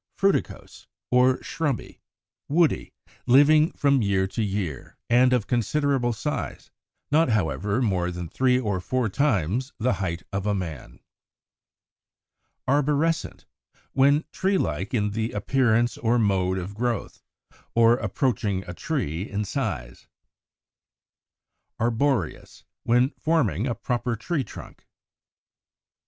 Fruticose or Shrubby, woody, living from year to year, and of considerable size, not, however, more than three or four times the height of a man. Arborescent, when tree like in appearance or mode of growth, or approaching a tree in size. Arboreous, when forming a proper tree trunk. 90.